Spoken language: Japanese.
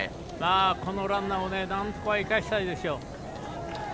このランナーを何とか生かしたいですよ。